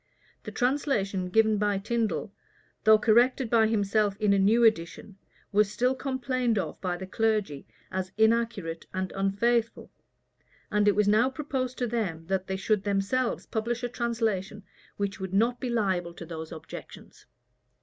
The translation given by Tindal, though corrected by himself in a new edition, was still complained of by the clergy as inaccurate and unfaithful; and it was now proposed to them, that they should themselves publish a translation which would not be liable to those objections.